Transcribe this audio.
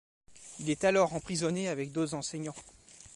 Il est alors emprisonné avec d'autres enseignants.